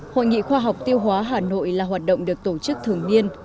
hội nghị khoa học tiêu hóa hà nội là hoạt động được tổ chức thường niên